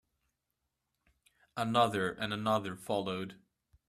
Another and another followed.